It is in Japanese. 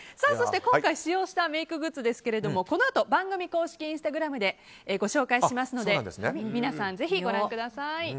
今回使用したメイクグッズですがこのあと番組公式インスタグラムでご紹介しますので皆さん、ぜひご覧ください。